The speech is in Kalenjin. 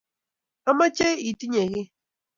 amoche itinye kii.